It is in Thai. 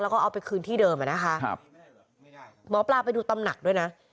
แล้วก็เอาไปคืนที่เดิมอ่ะนะคะครับหมอปลาไปดูตำหนักด้วยนะ